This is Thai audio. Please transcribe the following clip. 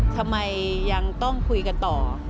ทำไมยังต้องคุยกันต่อ